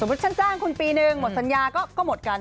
ฉันจ้างคุณปีนึงหมดสัญญาก็หมดกัน